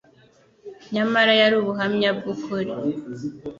nyamara yari ubuhamya bw'ukuri.